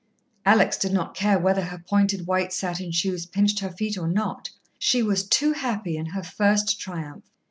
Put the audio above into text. Alex did not care whether her pointed, white satin shoes pinched her feet or not. She was too happy in her first triumph.